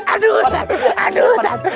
aduh ustaz aduh ustaz